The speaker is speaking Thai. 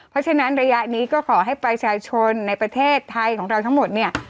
เพราะฉะนั้นระยะนี้ก็ขอให้ประชาชนในประเทศไทยของเราทั้งหมดเนี่ย